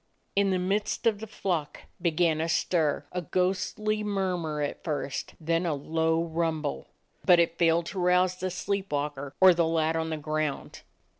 In the midst of the flock began a stir — a 86 A DOG OF THE ETTRICK HILLS ghostly murmur at first, then a low rumble — but it failed to rouse the sleep walker or the lad on the ground.